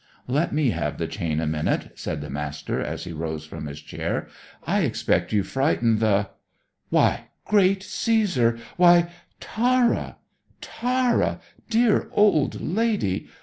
"Let me have the chain a minute," said the Master, as he rose from his chair. "I expect you've frightened the Why Great Caesar! Why Tara! Tara dear old lady.